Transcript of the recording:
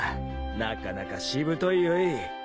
なかなかしぶといよい。